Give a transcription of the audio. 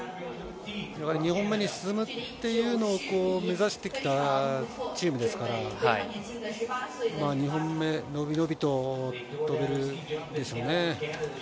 ２本目に進むっていうのを目指してきたチームですから、２本目のびのびと飛べるんでしょうね。